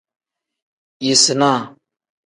Yisinaa.